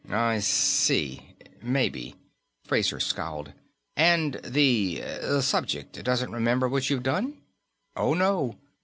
"Mmmm I see. Maybe." Fraser scowled. "And the subject doesn't remember what you've done?" "Oh, no.